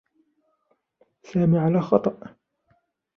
سامي على خطأ.